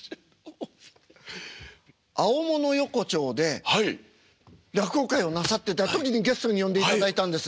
青物横丁で落語会をなさってた時にゲストに呼んでいただいたんです。